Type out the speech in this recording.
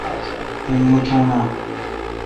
ایم موچون اں؟